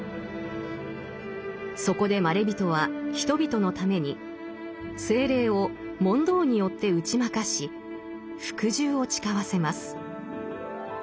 そこでまれびとは人々のために精霊を「問答」によって打ち負かし服従を誓わせます。